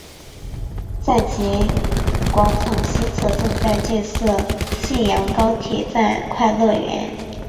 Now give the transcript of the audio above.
站前广场西侧正在建设信阳高铁站快乐园。